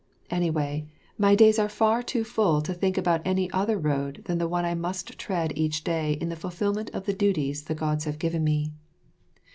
Anyway, my days are far too full to think about any other road than the one I must tread each day in the fulfillment of the duties the Gods have given me.